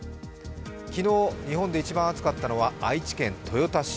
昨日、日本で一番暑かったのは愛知県豊田市。